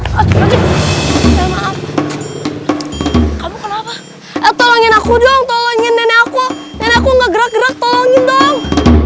kamu kenapa tolongin aku dong tolongin nenek aku nenek aku nggak gerak gerak tolongin dong